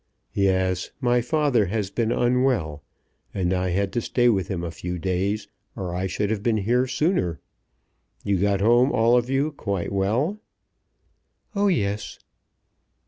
"Yes; my father has been unwell, and I had to stay with him a few days or I should have been here sooner. You got home all of you quite well?" "Oh, yes."